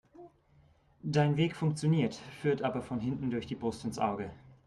Dein Weg funktioniert, führt aber von hinten durch die Brust ins Auge.